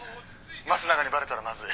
「益永にバレたらまずい」